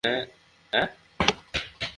হারামজাদা, যা।